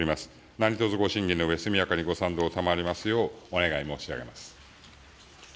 何とぞご審議のうえ、速やかにご賛同賜りますようお願い申し上げます。